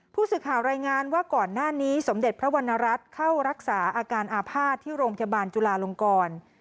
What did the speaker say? ผู้สื่อข่าวรายงานว่าก่อนหน้านี้สมเด็จพระวรรณรัฐเข้ารักษาอาการอาภาษณ์ที่โรงพยาบาลจุลาลงกร